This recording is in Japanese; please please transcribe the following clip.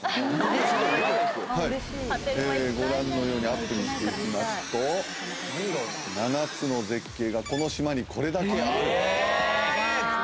ご覧のようにアップにしていきますと７つの絶景がこの島にこれだけある。